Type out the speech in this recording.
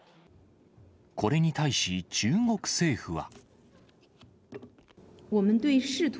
これに対し、中国政府は。